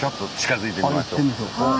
行ってみましょう。